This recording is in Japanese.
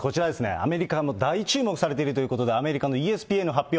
アメリカの大注目されているというアメリカのＥＳＰＮの発表。